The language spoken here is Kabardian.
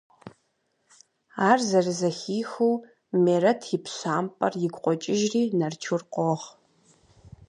Ар зэрызэхихыу, Мерэт и пщампӀэр игу къокӀыжри Нарчур къогъ.